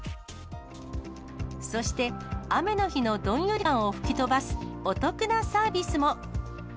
そして、雨の日のどんより感を吹き飛ばすお得なサービスも。